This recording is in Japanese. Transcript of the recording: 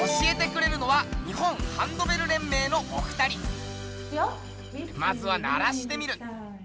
教えてくれるのはまずは鳴らしてみる。